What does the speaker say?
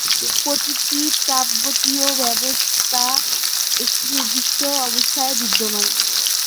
প্রতিটি তাপগতীয় ব্যবস্থা একটি নির্দিষ্ট অবস্থায় বিদ্যমান।